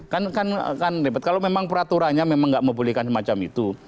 kan ribet kalau memang peraturannya memang tidak membolehkan semacam itu